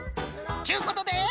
ちゅうことで！